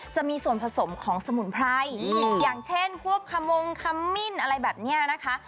จะมีส่วนผสมของสมุนไพรอย่างเช่นพวกขมงคมิ้นอะไรแบบนี้นะคะ